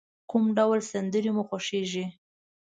کوم ډول سندری مو خوښیږی؟